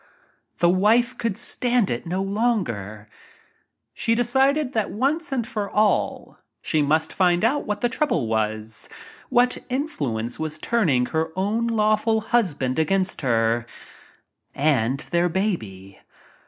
The wife could stand it no Jonger. that once and for all she must find out what the trouble was — what influence was turning her own lawful husband against her — and their baby.